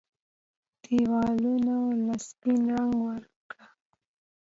ديوالونو له سپين رنګ ورکړه